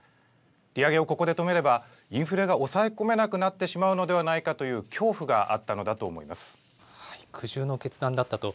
利上げをここで止めれば、インフレが抑え込めなくなってしまうのではないかという恐怖があ苦渋の決断だったと。